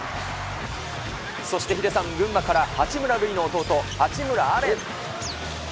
そしてヒデさん、群馬から八村塁の弟、八村阿蓮。